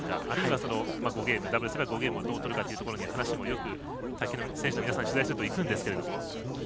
あるいは、ダブルスなら５ゲームをどう取るかというところに話が、卓球の選手の皆さんよくいくんですけれども。